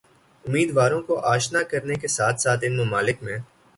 امیدواروں کو آشنا کرنے کے ساتھ ساتھ ان ممالک میں